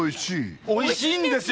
おいしいんですよ